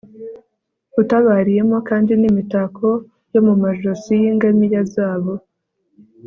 utabariyemo kandi n'imitako yo mu majosi y'ingamiya zabo